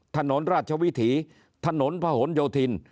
ถนนราชวิถีถนนพะหนโยธิน